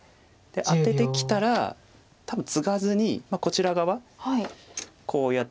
アテてきたら多分ツガずにこちら側こうやって。